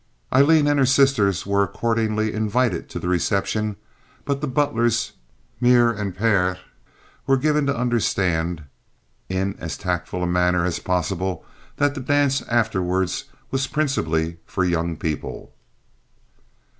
Aileen and her sister were accordingly invited to the reception but the Butlers mere and pere were given to understand, in as tactful a manner as possible, that the dance afterward was principally for young people.